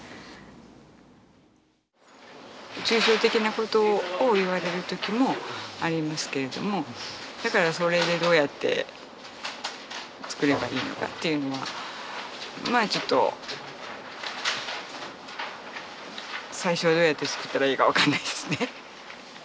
抽象的なことを言われる時もありますけれどもだからそれでどうやって作ればいいのかっていうのはまあちょっと最初はどうやって作ったらいいか分かんないですね。